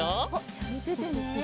じゃあみててね。